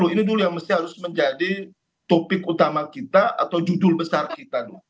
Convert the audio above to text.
ini dulu yang mesti harus menjadi topik utama kita atau judul besar kita